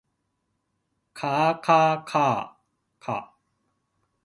かあかあかあか